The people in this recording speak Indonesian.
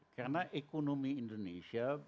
karena ekonomi indonesia belum terinfeksi